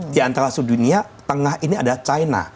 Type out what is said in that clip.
di antara sedunia tengah ini ada china